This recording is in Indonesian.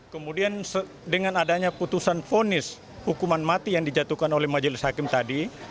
kemudian dengan adanya putusan fonis hukuman mati yang dijatuhkan oleh majelis hakim tadi